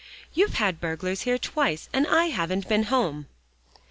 "You've had burglars here twice, and I haven't been home."